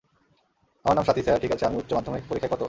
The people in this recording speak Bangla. আমার নাম স্বাতী, স্যার - ঠিক আছে আমি উচ্চ মাধ্যমিক পরীক্ষায় কত?